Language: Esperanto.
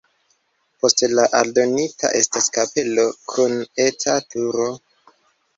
Poste aldonita estas kapelo kun eta turo.